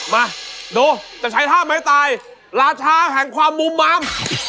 มาดูจะใช้ท่าไม้ตายราชาแห่งความมุมมัม